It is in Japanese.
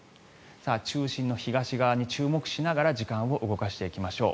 中心の東側に注目しながら時間を動かしていきましょう。